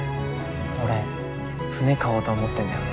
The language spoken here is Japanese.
俺船買おうと思ってんだよね。